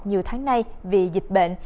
nhiều tháng nay vì dịch bệnh